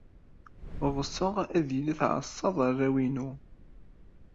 Ɣseɣ ad iyi-tɛassed arraw-inu.